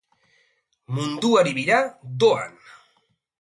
Munduari bira, doan!